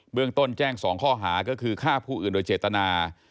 เรื่องต้นแจ้ง๒ข้อหาก็คือฆ่าผู้อื่นโดยเจตนา